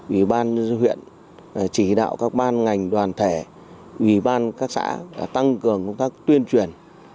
ủy ban huyện chỉ đạo các ban ngành đoàn thể ủy ban các xã tăng cường công tác tuyên truyền